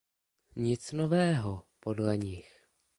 Nic nového, podle nich.